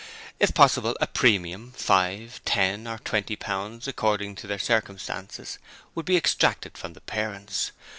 If possible, a premium, five, ten, or twenty pounds according to their circumstances would be extracted from the parents.